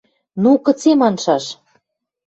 – Ну, кыце маншаш?